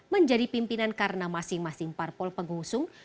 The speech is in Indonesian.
menjadi pimpinan karena masing masing parpol pengusung